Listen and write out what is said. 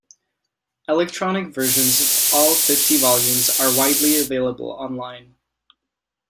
Electronic versions of all fifty volumes are widely available online.